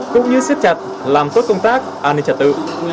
cũng như siết chặt làm tốt công tác an ninh trật tự